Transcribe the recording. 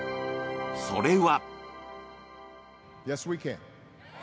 それは。